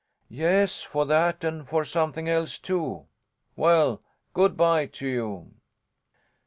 "Yes, for that and for something else, too! Well good bye to you!"